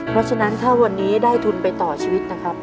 เพราะฉะนั้นถ้าวันนี้ได้ทุนไปต่อชีวิตนะครับ